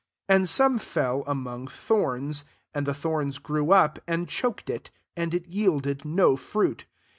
7 And some fell among thorns; and the thorns grew up, and choked it, and it yielded no fruit.